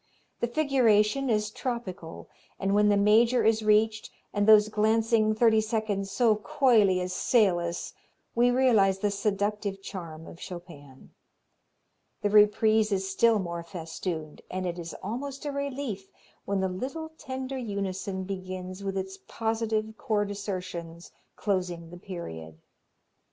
The figuration is tropical, and when the major is reached and those glancing thirty seconds so coyly assail us we realize the seductive charm of Chopin. The reprise is still more festooned, and it is almost a relief when the little, tender unison begins with its positive chord assertions closing the period.